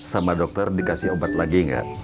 sama dokter dikasih obat lagi enggak